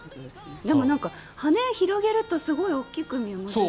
でも羽を広げるとすごく大きく見えますね。